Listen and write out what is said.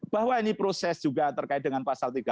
bahwa ini proses juga terkait dengan pasal tiga puluh